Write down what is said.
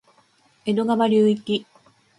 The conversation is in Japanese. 江戸川流域